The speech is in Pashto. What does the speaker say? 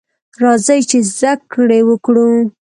راځئ ! چې زده کړې وکړو.